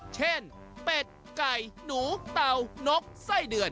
กระล้งเป็ดไก่หนูเตานกไส้เดือน